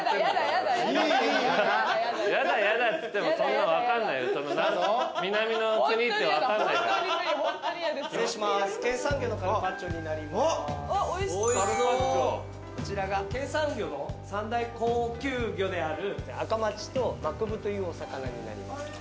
こちらが県産魚の三大高級魚であるアカマチとマクブというお魚になります。